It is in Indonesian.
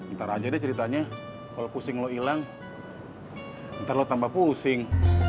ntar aja deh ceritanya kalau pusing lo hilang ntar lo tambah pusing